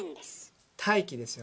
大気ですよね。